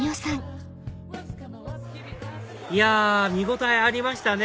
いや見応えありましたね！